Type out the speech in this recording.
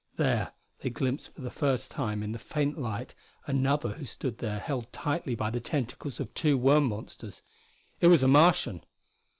There they glimpsed for the first time in the faint light another who stood there held tightly by the tentacles of two worm monsters. It was a Martian!